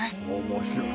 面白い！